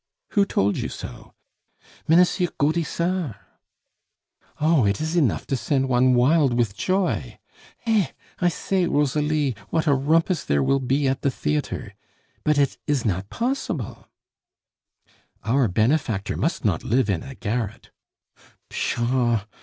"Who told you so?" "Mennesir Gautissart!" "Oh! it is enough to send one wild with joy!... Eh! I say, Rosalie, what a rumpus there will be at the theatre! But it is not possible " "Our benefactor must not live in a garret " "Pshaw!